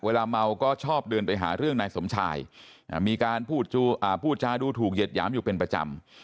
เวลาเมาก็ชอบเดินไปหาเรื่องนายสมชายมีการพูดจาดูถูกเหยียดหยามอยู่เป็นประจำ